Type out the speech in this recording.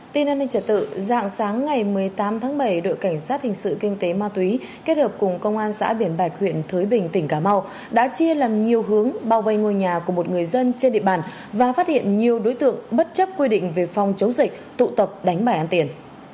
tin an ninh trật tự dạng sáng ngày một mươi tám tháng bảy đội cảnh sát hình sự kinh tế ma túy kết hợp cùng công an xã biển bạch huyện thới bình tỉnh cà mau đã chia làm nhiều hướng bao vây ngôi nhà của một người dân trên địa bàn và phát hiện nhiều đối tượng bất chấp quy định về phòng chống dịch tụ tập đánh bài ăn tiền